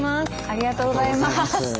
ありがとうございます。